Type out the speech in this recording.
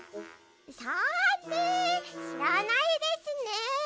さあねしらないですね。